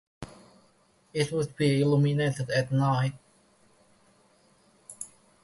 It would be illuminated at night.